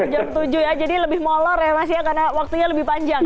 jam tujuh ya jadi lebih molor ya mas ya karena waktunya lebih panjang